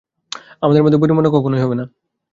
আমাদের মধ্যে বনিবনা কখনোই হবে না।